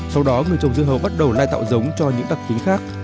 sau đó người trồng dưa hấu bắt đầu lai tạo giống cho những đặc tính khác